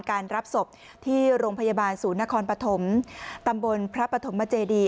รับศพที่โรงพยาบาลศูนย์นครปฐมตำบลพระปฐมเจดี